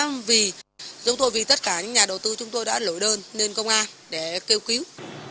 nhưng chúng tôi đã vì tất cả những nhà đầu tư chúng tôi đã lỗi đơn lên công an để kêu cứu